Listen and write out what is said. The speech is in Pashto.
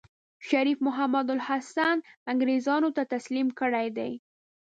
شريف محمودالحسن انګرېزانو ته تسليم کړی دی.